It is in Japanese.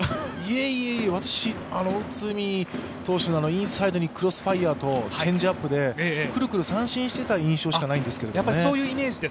私、内海投手のインサイドのクロスファイヤーとチェンジアップでクルクル三振していた印象しかないんですけど。